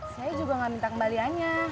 saya juga gak minta kembaliannya